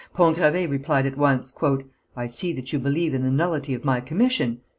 Pont Gravé replied at once: "I see that you believe in the nullity of my commission!"